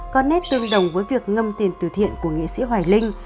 có nét tương đồng với việc ngâm tiền từ thiện của nghệ sĩ hoài linh